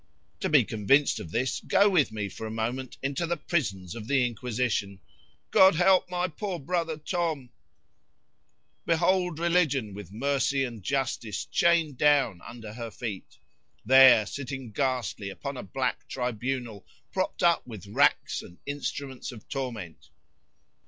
"To be convinced of this, go with me for a moment into the prisons of the Inquisition."—[God help my poor brother Tom.]—"Behold Religion, with Mercy and Justice chained down under her feet,——there sitting ghastly upon a black tribunal, propped up with racks and instruments of torment.